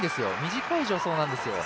短い助走なんですよ。